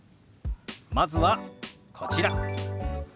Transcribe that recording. まずはこちら。